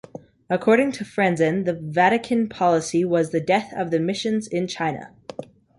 According to Franzen, The Vatican policy was the death of the missions in China.